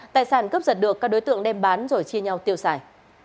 tài sản cướp giật được các đối tượng đem bán rồi chia nhau tiêu xài